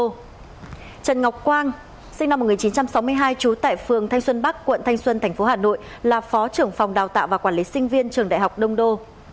trần ngọc quang sinh năm một nghìn chín trăm sáu mươi hai trú tại phường thanh xuân bắc quận thanh xuân tp hà nội là phó trưởng phòng đào tạo và quản lý sinh viên trường đại học đông đô